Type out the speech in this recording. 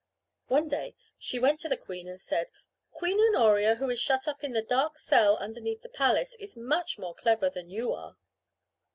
One day she went to the queen and said: "Queen Honoria who is shut up in the dark cell underneath the palace is much more clever than you are."